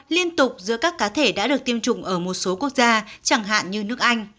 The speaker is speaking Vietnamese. liên tục giữa các cá thể đã được tiêm chủng ở một số quốc gia chẳng hạn như nước anh